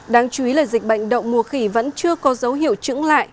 đáng chú ý là dịch bệnh động mùa khỉ vẫn chưa có dấu hiệu chững lại